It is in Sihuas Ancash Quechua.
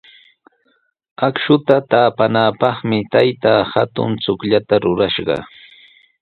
Akshuta taapanapaqmi taytaa hatun chukllata rurashqa.